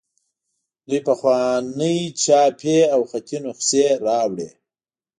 دوی پخوانۍ چاپي او خطي نسخې راوړي.